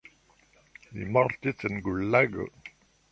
Li mortis en gulago.